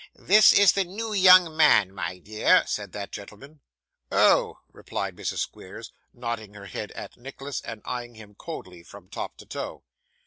'This is the new young man, my dear,' said that gentleman. 'Oh,' replied Mrs. Squeers, nodding her head at Nicholas, and eyeing him coldly from top to toe.